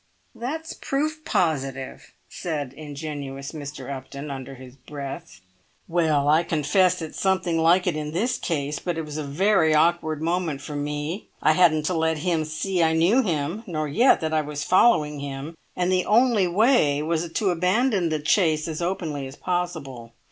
"That's proof positive," said ingenuous Mr. Upton, under his breath. "Well, I confess it's something like it in this case; but it was a very awkward moment for me. I hadn't to let him see I knew him, nor yet that I was following him, and the only way was to abandon the chase as openly as possible.